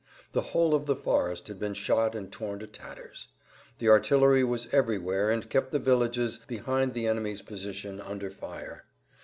The whole of the forest had been shot and torn to tatters. The artillery was everywhere and kept the villages behind the enemy's position under fire.